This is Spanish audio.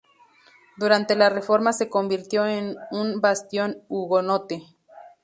Durante la Reforma se convirtió en un bastión hugonote.